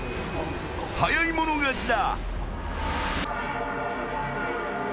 早い者勝ちだ。